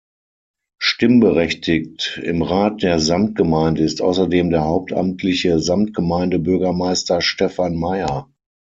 Stimmberechtigt im Rat der Samtgemeinde ist außerdem der hauptamtliche Samtgemeindebürgermeister Stephan Meyer.